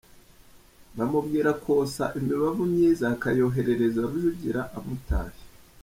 Bamubwira kwosa imibavu myiza akayoherereza Rujugira amutashya.